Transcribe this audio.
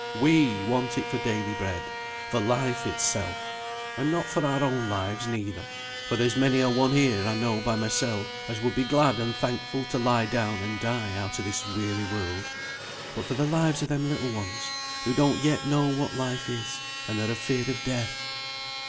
We want it for daily bread, for life itself; and not for our own lives neither (for there's many a one here, I know by mysel, as would be glad and thankful to lie down and die out o' this weary world), but for the lives of them little ones, who don't yet know what life is, and are afeard of death.